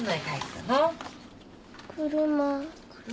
車？